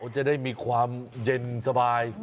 จะได้มีความเย็นสบาย